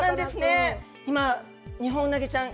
今、ニホンウナギちゃん